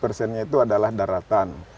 tiga persennya itu adalah daratan